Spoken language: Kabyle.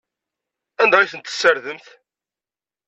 Anda ay tent-tessardemt?